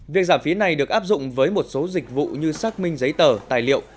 việc giảm phí này được áp dụng với một số dịch vụ như xác minh giấy tờ tài liệu